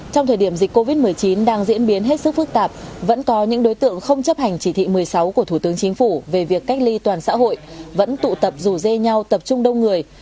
trong thời điểm dịch covid một mươi chín đang diễn biến hết sức phức tạp vẫn có những đối tượng không chấp hành chỉ thị một mươi sáu của thủ tướng chính phủ về việc cách ly toàn xã hội vẫn tụ tập rủ dê nhau tập trung đông người